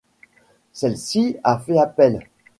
Celle-ci a fait appel.